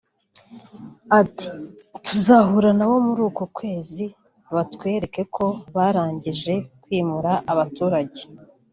Ati “Tuzahura na bo muri uku kwezi batwereke ko barangije (kwimura abaturage)